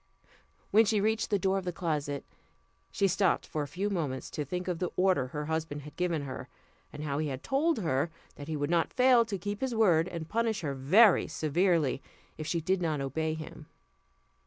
When she reached the door of the closet, she stopped for a few moments to think of the order her husband had given her, and how he had told her that he would not fail to keep his word and punish her very severely, if she did not obey him.